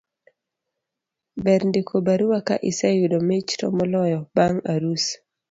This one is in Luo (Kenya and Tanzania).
ber ndiko barua ka iseyudo mich to moloyo bang' arus